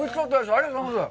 ありがとうございます。